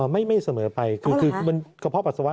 ไม่ได้เสมอไปคือกระเพาะปัสสาวะ